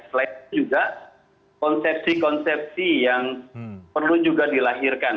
selain juga konsepsi konsepsi yang perlu juga dilahirkan